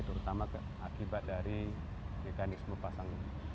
terutama akibat dari mekanisme pasang